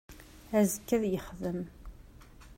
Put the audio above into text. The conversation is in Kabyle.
Azekka ad yexdem